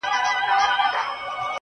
چي وايي.